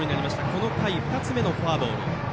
この回、２つ目のフォアボール。